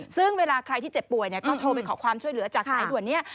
ซึ่งเวลาใครที่เจ็บป่วยก็โทรไปขอความช่วยเหลือจากสายด่วนนี้